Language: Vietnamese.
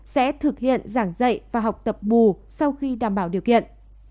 sẽ thực hiện giảng dạy và học tập bù sau khi đảm bảo điều kiện